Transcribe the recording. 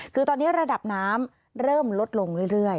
คือตอนนี้ระดับน้ำเริ่มลดลงเรื่อย